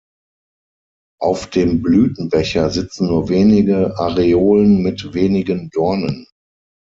Auf dem Blütenbecher sitzen nur wenige Areolen mit wenigen Dornen.